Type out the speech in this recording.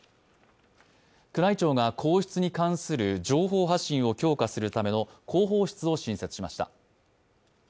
宮内庁が皇室に関する情報発信を強化するための広報室を新設しました。